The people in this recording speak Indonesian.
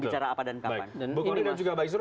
bicara apa dan kapan bukorin juga pak isur